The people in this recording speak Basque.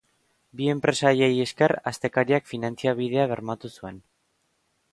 Bi enpresa haiei esker astekariak finantzabidea bermatu zuen.